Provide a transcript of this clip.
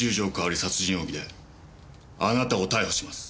殺人容疑であなたを逮捕します。